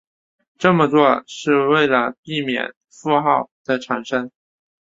这么做是为了避免负号的产生。